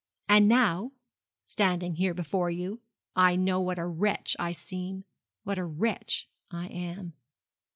And now, standing here before you, I know what a wretch I seem what a wretch I am.'